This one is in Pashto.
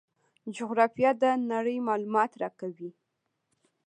جغرافیه د نړۍ معلومات راکوي.